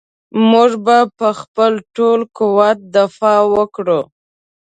موږ به په خپل ټول قوت دفاع وکړو.